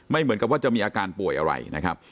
เหมือนกับว่าจะมีอาการป่วยอะไรนะครับ